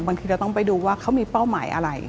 บางทีเราต้องไปดูว่าเขามีเป้าหมายอะไร